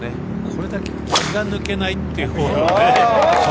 これだけ気が抜けないというね。